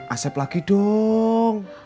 asep lagi dong